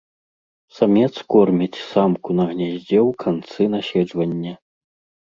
Самец корміць самку на гняздзе ў канцы наседжвання.